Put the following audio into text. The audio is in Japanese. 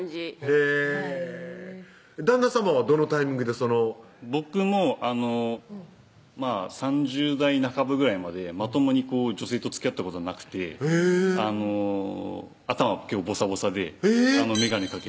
へぇ旦那さまはどのタイミングでその僕も３０代半ばぐらいまでまともに女性とつきあったことがなくて頭ボサボサでえぇっ？